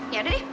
ya udah deh